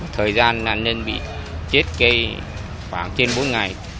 thời gian nạn nhân bị chết cây khoảng trên bốn ngày